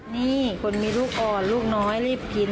นี่คนมีลูกอ่อนลูกน้อยรีบกิน